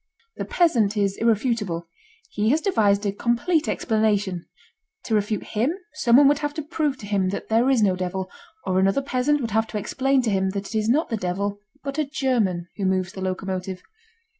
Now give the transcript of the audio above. The peasant is irrefutable. He has devised a complete explanation. To refute him someone would have to prove to him that there is no devil, or another peasant would have to explain to him that it is not the devil but a German, who moves the locomotive.